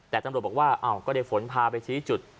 แต่ตำรวจบอกว่าเอ้าก็ได้ฝนพาไปทั้งจุด